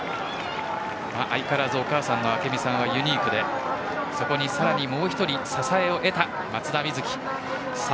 相変わらずお母さんはユニークでそこにもう１人支えを得た松田瑞生。